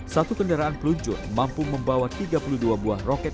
satu kendaraan peluncur mampu membawa tiga puluh dua buah roket